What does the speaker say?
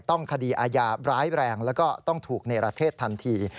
ต้องคดีอาญาร้ายแรงแล้วก็ต้องถูกในประเทศทันที